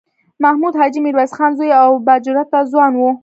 محمود حاجي میرویس خان زوی او با جرئته ځوان و.